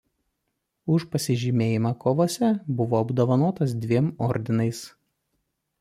Už pasižymėjimą kovose buvo apdovanotas dviem ordinais.